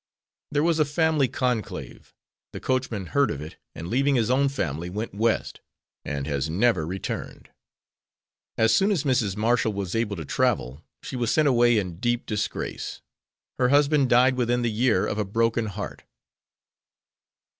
There was a family conclave, the coachman heard of it and leaving his own family went West, and has never returned. As soon as Mrs. Marshall was able to travel she was sent away in deep disgrace. Her husband died within the year of a broken heart.